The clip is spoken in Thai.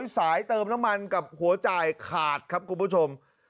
สายเติมน้ำมันกับหัวจ่ายขาดครับคุณผู้ชม